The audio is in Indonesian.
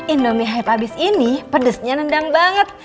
indomie hype habis ini pedesnya nendang banget